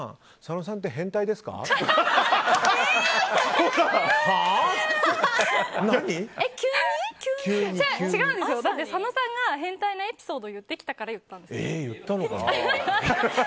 だって、佐野さんが変態なエピソードを言ってきたから言ったんですよ。